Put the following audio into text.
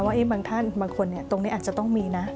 ว่าบางท่านบางคนตรงนี้อาจจะต้องมีนะ